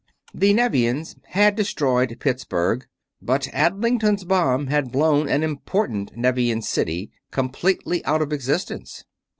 The Nevians had destroyed Pittsburgh, but Adlington's bomb had blown an important Nevian city completely out of existence.